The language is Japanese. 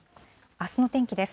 あすの天気です。